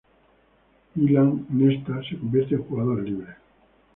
Milan, Nesta se convierte en jugador libre.